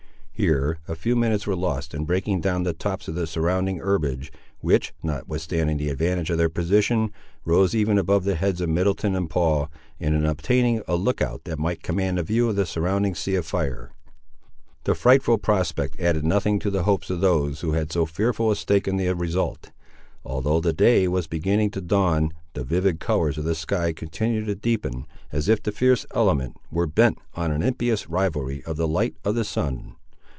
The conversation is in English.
Here a few minutes were lost in breaking down the tops of the surrounding herbage, which, notwithstanding the advantage of their position, rose even above the heads of Middleton and Paul, and in obtaining a look out that might command a view of the surrounding sea of fire. The frightful prospect added nothing to the hopes of those who had so fearful a stake in the result. Although the day was beginning to dawn, the vivid colours of the sky continued to deepen, as if the fierce element were bent on an impious rivalry of the light of the sun.